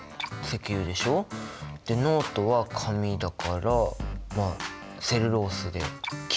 でノートは紙だからセルロースで木？